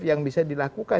yang bisa dilakukan